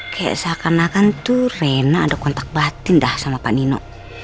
kayak seakan akan turun rena ada kontak batin dah sama pak nino